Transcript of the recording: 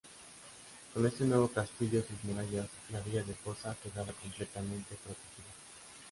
Con este nuevo castillo y sus murallas, la villa de Poza quedaba completamente protegida.